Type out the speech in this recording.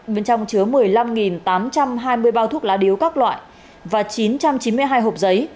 bên trong chứa một mươi năm tám trăm hai mươi bao thuốc lá điếu các loại và chín trăm chín mươi hai hộp giấy